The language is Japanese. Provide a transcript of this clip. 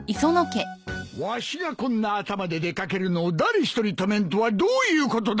わしがこんな頭で出掛けるのを誰一人止めんとはどういうことだ！